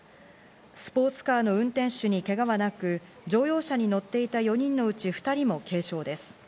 スポーツカーの運転手にけがはなく、乗用車に乗っていた４人のうち２人も軽傷です。